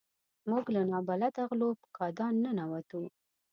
موږ لکه نابلده غلو په کادان ننوتو.